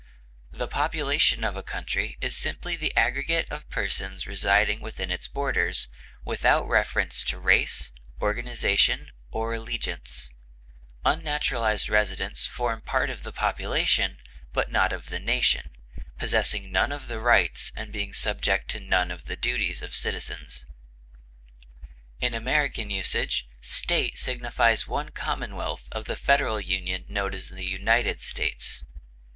The population of a country is simply the aggregate of persons residing within its borders, without reference to race, organization, or allegiance; unnaturalized residents form part of the population, but not of the nation, possessing none of the rights and being subject to none of the duties of citizens. In American usage State signifies one commonwealth of the federal union known as the United States.